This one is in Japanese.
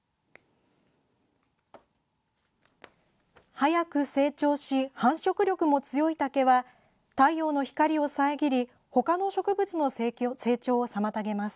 早く成長し繁殖力も強い竹は太陽の光を遮りほかの植物の成長を妨げます。